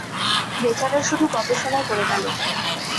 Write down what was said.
বেচারা শুধু গবেষণাই করে গেলো।